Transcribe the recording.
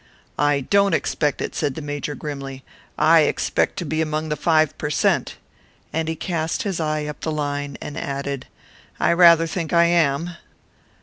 "I don't expect it," said the Major, grimly; "I expect to be among the five per cent." And he cast his eye up the line, and added, "I rather think I am."